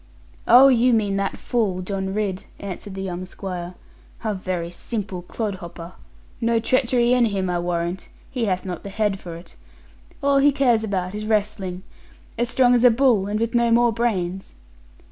'Oh, you mean that fool, John Ridd,' answered the young squire; 'a very simple clod hopper. No treachery in him I warrant; he hath not the head for it. All he cares about is wrestling. As strong as a bull, and with no more brains.'